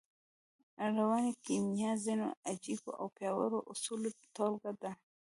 رواني کيميا د ځينو عجييو او پياوړو اصولو ټولګه ده.